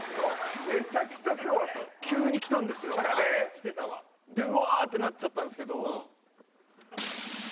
めちゃくちゃすごかった急にきたんですよきたねでウワーッてなっちゃったんですけど